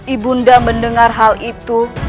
ibu anda mendengar hal itu